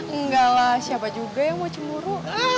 enggak lah siapa juga yang mau cemburu